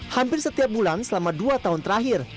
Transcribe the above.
hampir setiap bulan selama dua tahun terakhir